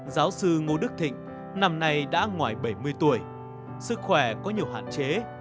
giáo sư ngô đức thịnh năm nay đã ngoài bảy mươi tuổi sức khỏe có nhiều hạn chế